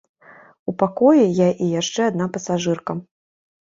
У пакоі я і яшчэ адна пасажырка.